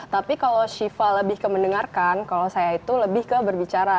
tapi kalau shiva lebih ke mendengarkan kalau saya itu lebih ke berbicara